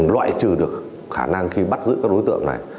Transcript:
loại trừ được khả năng khi bắt giữ các đối tượng này